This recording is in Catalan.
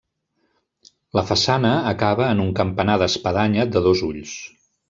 La façana acaba en un campanar d'espadanya de dos ulls.